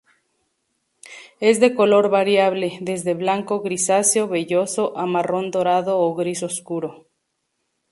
Es de color variable, desde blanco grisáceo velloso a marrón dorado o gris oscuro.